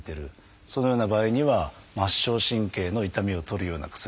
そのような場合には末梢神経の痛みを取るような薬。